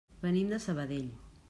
Venim de Sabadell.